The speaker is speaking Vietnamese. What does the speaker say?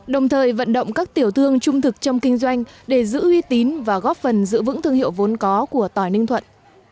đồng thời vận động các tiểu thương trung thực trong kinh doanh để giữ uy tín và góp phần giữ vững thương hiệu vốn có của tỏi ninh thuận